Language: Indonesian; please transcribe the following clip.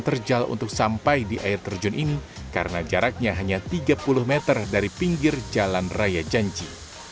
terjal untuk sampai di air terjun ini karena jaraknya hanya tiga puluh meter dari pinggir jalan raya janji